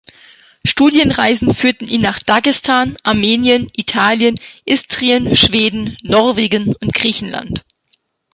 Studienreisen führten ihn nach Dagestan, Armenien, Italien, Istrien, Schweden, Norwegen und Griechenland.